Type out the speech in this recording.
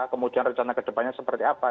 kemudian rencana kedepannya seperti apa